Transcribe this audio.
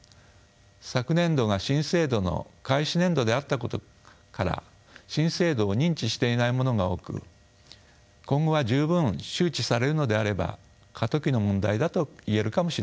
昨年度が新制度の開始年度であったことから新制度を認知していない者が多く今後は十分周知されるのであれば過渡期の問題だと言えるかもしれません。